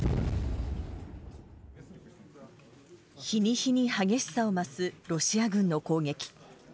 日に日に激しさを増すロシア軍の攻撃。